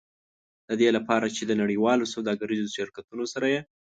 د دې لپاره چې د نړیوالو سوداګریزو شرکتونو سره یې.